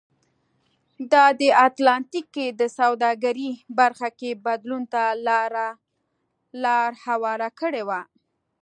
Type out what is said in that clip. دا د اتلانتیک کې د سوداګرۍ برخه کې بدلون ته لار هواره کړې وه.